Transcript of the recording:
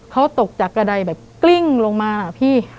เขาตกจากกระดายแบบกลิ้งลงมานะพี่